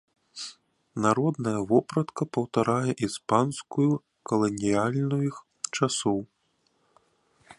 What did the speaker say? Народная вопратка паўтарае іспанскую каланіяльных часоў.